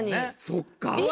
そっか！